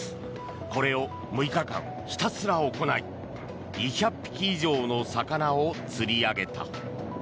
これを６日間ひたすら行い２００匹以上の魚を釣り上げた。